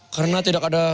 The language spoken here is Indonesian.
karena tidak ada komitmen